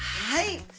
はい。